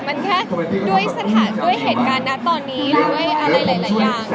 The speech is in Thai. มันแค่ด้วยเหตุการณ์นะตอนนี้ด้วยอะไรหลายอย่าง